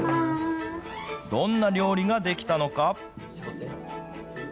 どんな料理が出来たのか。